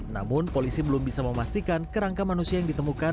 namun polisi belum bisa memastikan kerangka manusia yang ditemukan